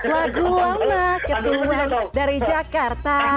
lagu lama kedua dari jakarta